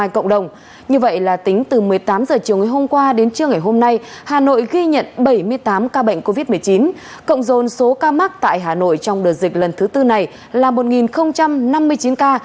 cộng dồn số ca mắc tại hà nội trong đợt dịch lần thứ tư này là một năm mươi chín ca